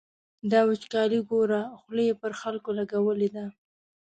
دا وچکالي ګوره، خوله یې پر خلکو لګولې ده.